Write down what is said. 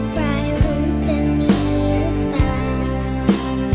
ปลายรุ่มจะมีหรือเปล่า